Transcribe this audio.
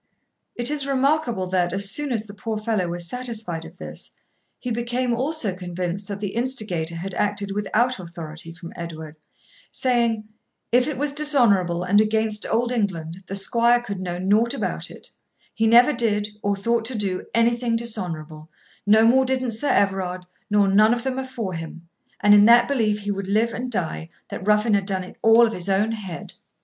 It is remarkable that, as soon as the poor fellow was satisfied of this, he became also convinced that the instigator had acted without authority from Edward, saying, 'If it was dishonourable and against Old England, the squire could know nought about it; he never did, or thought to do, anything dishonourable, no more didn't Sir Everard, nor none of them afore him, and in that belief he would live and die that Ruffin had done it all of his own head.'